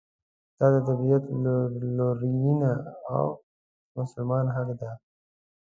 دا د طبعیت لورېینه او مسلم حق دی.